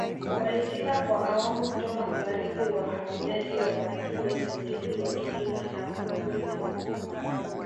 Walifika kwa awamu kutoka magharibi wahamiaji Wabantu wenye ujuzi wa kilimo na uhunzi